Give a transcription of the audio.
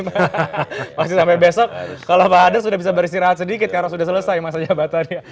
masih sampai besok kalau pak ada sudah bisa beristirahat sedikit karena sudah selesai masa jabatannya